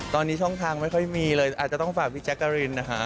ตอนนี้ช่องทางไม่ค่อยมีเลยอาจจะต้องฝากพี่แจ๊กกะรินนะคะ